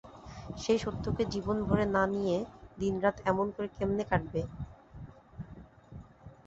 সেই সত্যকে জীবন ভরে না নিয়ে দিন রাত এমন করে কেমনে কাটবে?